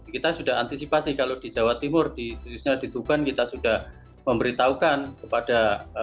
kita sudah antisipasi kalau di jawa timur di tuban kita sudah memberitahukan kepada